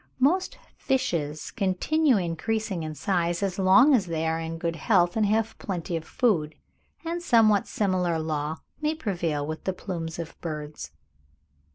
Most fishes continue increasing in size, as long as they are in good health and have plenty of food; and a somewhat similar law may prevail with the plumes of birds.